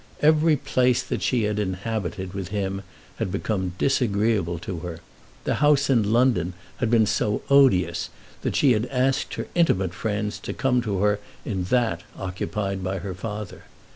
Every place that she had inhabited with him had become disagreeable to her. The house in London had been so odious, that she had asked her intimate friends to come to her in that occupied by her father.